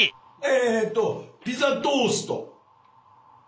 えっとピザトースト。